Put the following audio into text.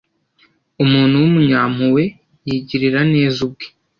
umuntu w'umunyampuhwe yigirira neza ubwe